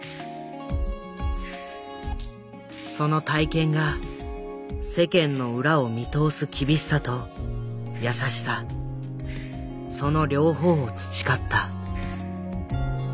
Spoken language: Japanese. その体験が世間の裏を見通す厳しさと優しさその両方を培った。